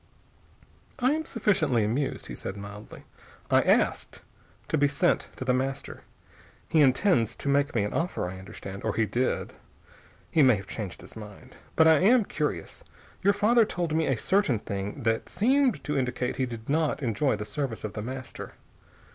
"I am sufficiently amused," he said mildly. "I asked to be sent to The Master. He intends to make me an offer, I understand. Or he did. He may have changed his mind. But I am curious. Your father told me a certain thing that seemed to indicate he did not enjoy the service of The Master.